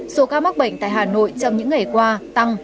số ca mắc bệnh tại hà nội trong những ngày qua tăng